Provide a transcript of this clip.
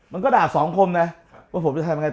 มันก็ด่าสองคมนะว่าผมจะทำยังไง